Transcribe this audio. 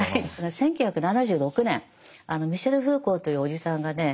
１９７６年ミシェル・フーコーというおじさんがね